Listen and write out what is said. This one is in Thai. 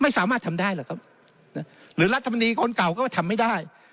ไม่สามารถทำได้หรอกครับหรือรัฐมนตรีคนเก่าก็ทำไม่ได้